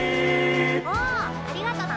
おありがとな！